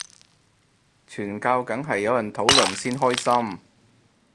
傳教梗係有人討論先開心